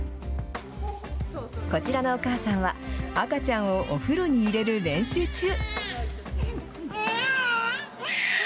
こちらのお母さんは、赤ちゃんをお風呂に入れる練習中。